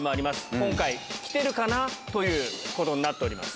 今回、来てるかな？ということになっております。